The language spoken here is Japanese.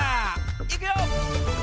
いくよ！